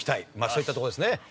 そういったところですね。